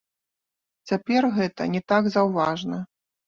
Цяпер гэта не так заўважна.